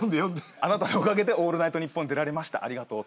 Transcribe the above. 「あなたのおかげでオールナイトニッポン出られましたありがとう」と。